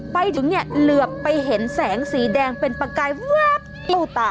ไปถึงเนี่ยเหลือไปเห็นแสงสีแดงเป็นประกายแวบตู้ตา